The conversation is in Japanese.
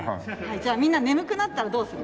じゃあみんな眠くなったらどうする？